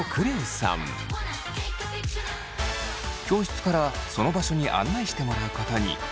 教室からその場所に案内してもらうことに。